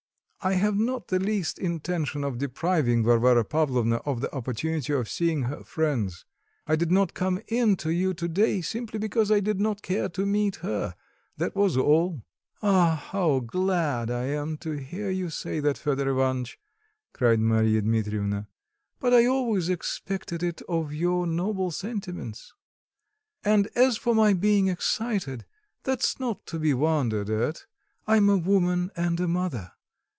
I have not the least intention of depriving Varvara Pavlovna of the opportunity of seeing her friends; I did not come in to you to day simply because I did not care to meet her that was all." "Ah, how glad I am to hear you say that, Fedor Ivanitch," cried Marya Dmitrievna, "but I always expected it of your noble sentiments. And as for my being excited that's not to be wondered at; I am a woman and a mother.